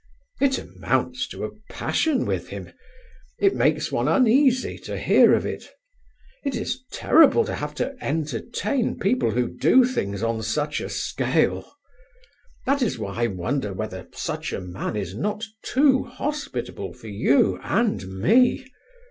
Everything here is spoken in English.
It amounts to a passion with him; it makes one uneasy to hear of it. It is terrible to have to entertain people who do things on such a scale. That is why I wonder whether such a man is not too hospitable for you and me."